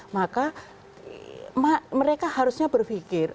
maka mereka harusnya berpikir